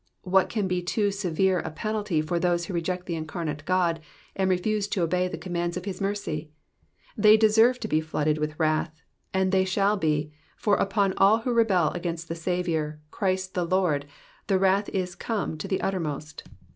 '*^ What can be too severe a penalty for those who reject the incarnate God, ahd refuse to obey the com mands of his mercy ? They deserve to be flooded with wrath, and they shall be ; for upon all who rebel against the Saviour, Christ the Lord, the wrath is come to the uttermost."